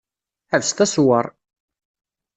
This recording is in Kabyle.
Ḥebset aṣewwer!